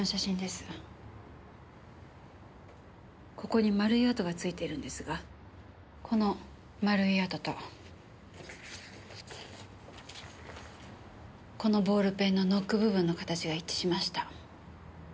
ここに丸い痕がついているんですがこの丸い痕とこのボールペンのノック部分の形が一致しました。